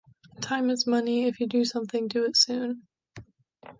Time is money; if you do something, do it soon.